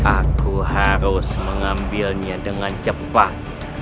aku harus mengambilnya dengan cepat